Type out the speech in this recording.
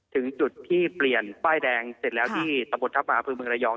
ถึงจุดที่เปลี่ยนป้ายแดงเสร็จแล้วที่ตำบลทัพมหาอำเภอเมืองระยอง